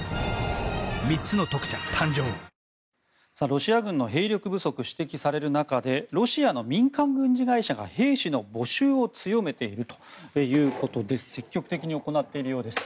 ロシア軍の兵力不足が指摘される中でロシアの民間軍事会社が兵士の募集を強めているということで積極的に行っているようです。